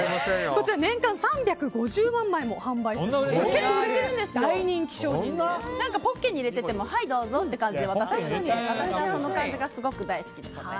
こちら年間３５０万枚も販売しているポッケに入れててもはい、どうぞって感じで渡せるのがすごく大好きです。